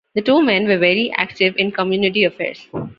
The two men were very active in community affairs.